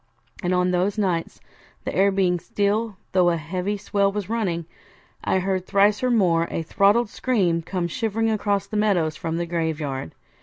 And on those nights, the air being still though a heavy swell was running, I heard thrice or more a throttled scream come shivering across the meadows from the graveyard.